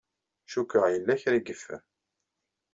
Cikkeɣ yella kra ay yeffer.